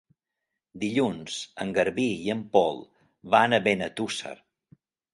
Dilluns en Garbí i en Pol van a Benetússer.